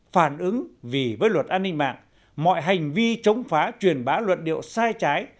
phản ứng vì với luật an ninh mạng mọi hành vi chống phá truyền bá luận điệu sai trái